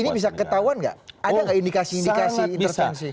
ini bisa ketahuan nggak ada nggak indikasi indikasi intervensi